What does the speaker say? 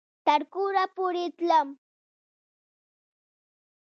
تر کوره پورې تلم